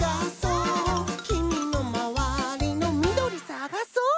「きみのまわりの『みどり』さがそう」